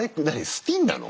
スピンなの？